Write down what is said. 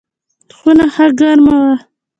خونه ښه ګرمه وه.